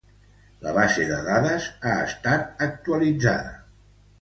La base de dades ha estat actualitzada.